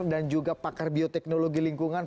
juga pakar bioteknologi lingkungan